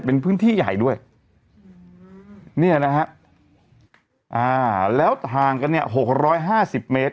เป็นพื้นที่ใหญ่ด้วยเนี่ยแล้วหางก็๖๕๐เมตร